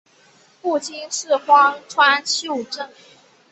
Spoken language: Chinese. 父亲是荒川秀景。